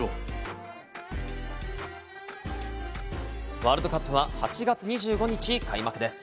ワールドカップは８月２５日開幕です。